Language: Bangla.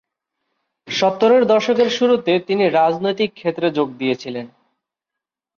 সত্তরের দশকের শুরুতে তিনি রাজনৈতিক ক্ষেত্রে যোগ দিয়েছিলেন।